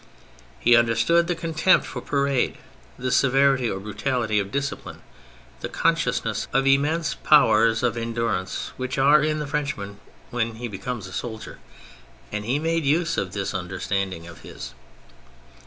He understood the contempt for parade, the severity or brutality of discipline, the consciousness of immense powers of en durance which are in the Frenchman when he becomes a soldier; — and he made use of this understanding of his.